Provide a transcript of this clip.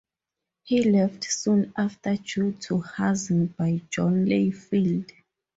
He left soon after due to hazing by John Layfield.